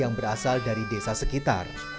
yang berasal dari desa sekitar